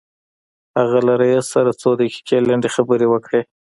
هغه له رئيس سره څو دقيقې لنډې خبرې وکړې.